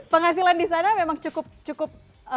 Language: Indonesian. penghasilan di sana memang cukup